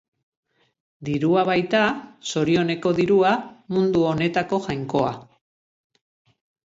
Dirua baita, zorioneko dirua, mundu honetako jainkoa.